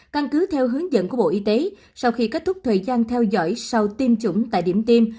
căn cứ theo hướng dẫn của bộ y tế sau khi kết thúc thời gian theo dõi sau tiêm chủng tại điểm tiêm